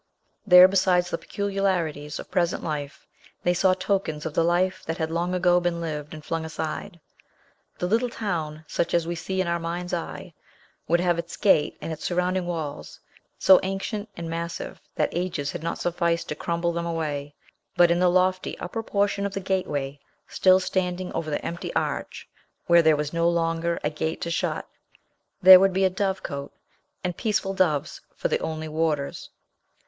There, besides the peculiarities of present life, they saw tokens of the life that had long ago been lived and flung aside. The little town, such as we see in our mind's eye, would have its gate and its surrounding walls, so ancient and massive that ages had not sufficed to crumble them away; but in the lofty upper portion of the gateway, still standing over the empty arch, where there was no longer a gate to shut, there would be a dove cote, and peaceful doves for the only warders.